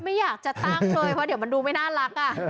ไม่อยากจะตั้งเลยเพราะเดี๋ยวมันดูไม่น่ารัก